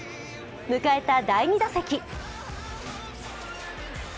迎えた第２打席。